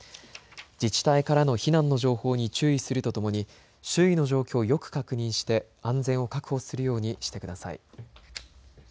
自治体からの避難の情報に注意するとともに周囲の状況をよく確認して安全を確保するようにしてください。